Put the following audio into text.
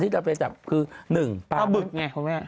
ที่เราไปจากคือ๑ปลาบึกไง